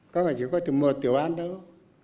có phải chỉ có một tiểu ban đâu